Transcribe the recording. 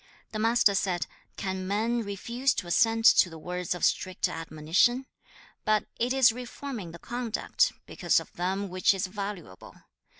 The Master said, 'Can men refuse to assent to the words of strict admonition? But it is reforming the conduct because of them which is valuable.